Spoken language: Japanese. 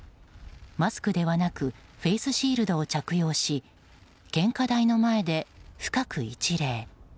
マスクではなくフェースシールドを着用し献花台の前で深く一礼。